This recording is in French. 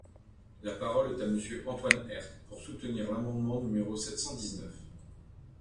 La parole est à Monsieur Antoine Herth, pour soutenir l’amendement numéro sept cent dix-neuf.